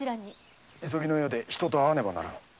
急ぎの用で人と会わねばならぬ。